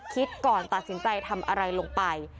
คิดก่อนตัดสินใจทำอะไรลงไป